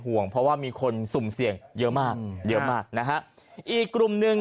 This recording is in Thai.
ห่วงเพราะว่ามีคนสุ่มเสี่ยงเยอะมากเยอะมากนะฮะอีกกลุ่มหนึ่ง